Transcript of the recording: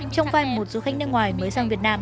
trong vai một du khách nước ngoài mới sang việt nam